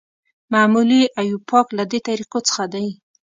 معمولي او ایوپاک له دې طریقو څخه دي.